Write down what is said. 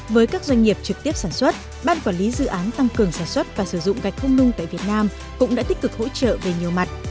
với các doanh nghiệp trực tiếp sản xuất ban quản lý dự án tăng cường sản xuất và sử dụng gạch không nung tại việt nam cũng đã tích cực hỗ trợ về nhiều mặt